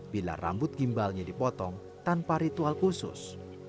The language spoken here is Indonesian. bila rambut gimbalnya dipotong tanpa ritual khusus